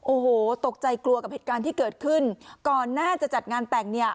โอ้โหตกใจกลัวกับเหตุการณ์ที่เกิดขึ้นก่อนหน้าจะจัดงานแต่งเนี่ย